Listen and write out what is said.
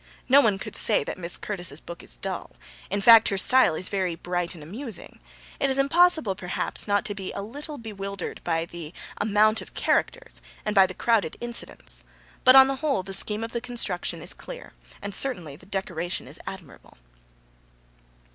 No one could say that Miss Curtis's book is dull. In fact, her style is very bright and amusing. It is impossible, perhaps, not to be a little bewildered by the amount of characters, and by the crowded incidents; but, on the whole, the scheme of the construction is clear, and certainly the decoration is admirable.